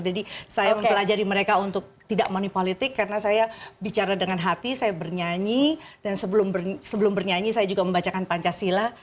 jadi saya mempelajari mereka untuk tidak manipolitik karena saya bicara dengan hati saya bernyanyi dan sebelum bernyanyi saya juga membacakan pancasila